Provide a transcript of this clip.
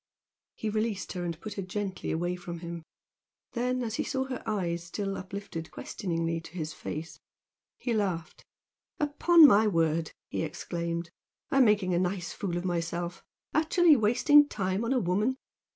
He released her and put her gently away from him. Then, as he saw her eyes still uplifted questioningly to his face, he laughed. "Upon my word!" he exclaimed "I am making a nice fool of myself! Actually wasting time on a woman.